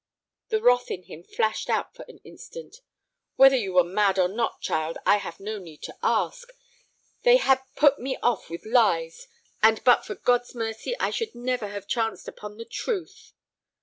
The wrath in him flashed out for an instant. "Whether you were mad or not, child, I have no need to ask. They had put me off with lies, and but for God's mercy I should never have chanced upon the truth."